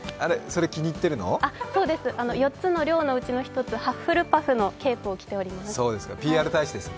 そうです、４つの寮のうちの１つ、ハッフルパフのケープを着ております。